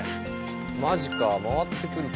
マジか回ってくるか。